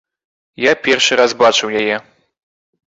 Я першы раз бачыў яе.